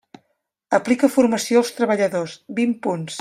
Aplica formació als treballadors, vint punts.